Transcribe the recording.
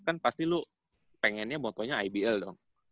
kan pasti lo pengennya fotonya ibl dong